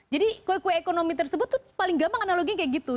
jadi kue kue ekonomi tersebut tuh paling gampang analoginya kayak gitu